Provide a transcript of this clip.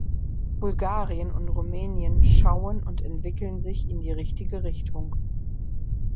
Bulgarien und Rumänien schauen und entwickeln sich in die richtige Richtung.